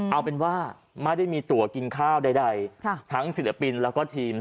เอาเป็นว่าไม่ได้มีตัวกินข้าวใดทั้งศิลปินแล้วก็ทีม